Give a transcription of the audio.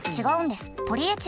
違うんです。